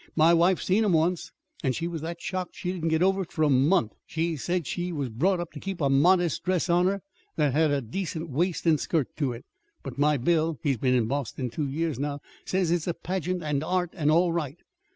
My wife seen 'em once, and she was that shocked she didn't get over it for a month. She said she was brought up to keep a modest dress on her that had a decent waist and skirt to it. But my Bill (he's been in Boston two years now) says it's a pageant and Art, and all right.